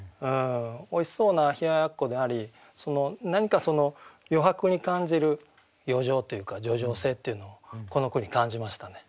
おいしそうな冷奴であり何かその余白に感じる余情というか叙情性っていうのをこの句に感じましたね。